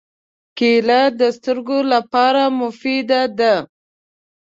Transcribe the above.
کېله د سترګو لپاره مفیده ده.